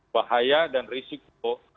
bahaya dan risiko